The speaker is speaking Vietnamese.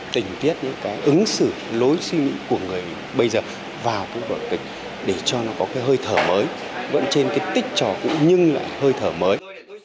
tình tiết những cái ứng xử lối suy nghĩ của người bây giờ vào vụ bởi tịch để cho nó có cái hơi thở mới vẫn trên cái tích trò cũng nhưng lại hơi thở mới